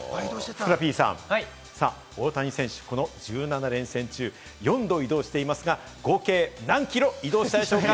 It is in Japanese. ふくらＰさん、大谷選手はこの１７連戦中４度移動していますが、合計何キロ移動したでしょうか？